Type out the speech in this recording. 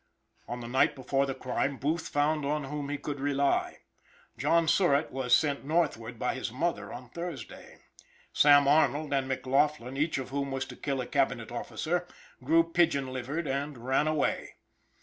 On the night before the crime Booth found on whom he could rely. John Surratt was sent northward by his mother on Thursday. Sam Arnold and McLaughlin, each of whom was to kill a cabinet officer, grew pigeon livered and ran away.